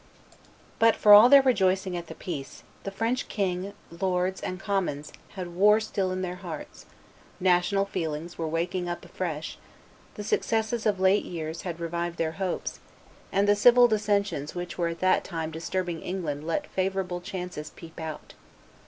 But for all their rejoicing at the peace, the French, king, lords, and commons, had war still in their hearts; national feelings were waking up afresh; the successes of late years had revived their hopes; and the civil dissensions which were at that time disturbing England let favorable chances peep out.